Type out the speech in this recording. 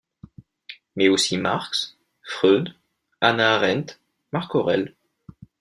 Mais aussi Marx, Freud, Hannah Arendt, Marc-Aurèle.